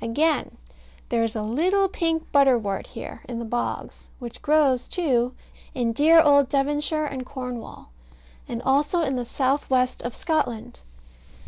Again. There is a little pink butterwort here in the bogs, which grows, too, in dear old Devonshire and Cornwall; and also in the south west of Scotland.